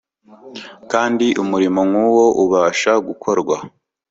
Kandi umurimo nkuwo ubasha gukorwa